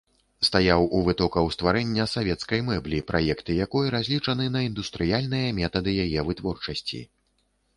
Стаяў у вытокаў стварэння савецкай мэблі, праекты якой разлічаны на індустрыяльныя метады яе вытворчасці.